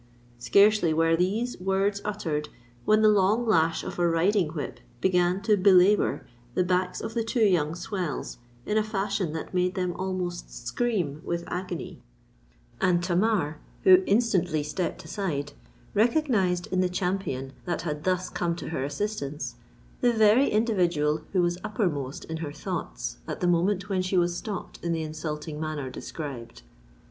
"—Scarcely were these words uttered when the long lash of a riding whip began to belabour the backs of the two young swells in a fashion that made them almost scream with agony; and Tamar, who instantly stepped aside, recognised in the champion that had thus come to her assistance, the very individual who was uppermost in her thoughts at the moment when she was stopped in the insulting manner described.